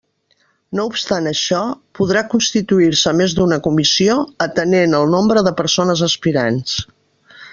No obstant això, podrà constituir-se més d'una comissió atenent el nombre de persones aspirants.